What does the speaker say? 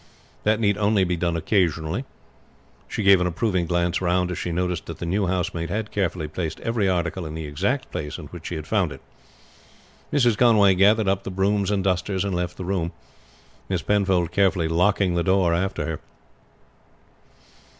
That need only be done occasionally." She gave an approving glance round as she noticed that the new housemaid had carefully placed every article in the exact place in which she had found it. Mrs. Conway gathered up the brooms and dusters and left the room, Miss Penfold carefully locking the door after her.